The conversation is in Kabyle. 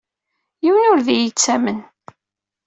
Yiwen ur d iyi-yettamen.